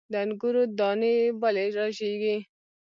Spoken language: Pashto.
د انګورو دانې ولې رژیږي؟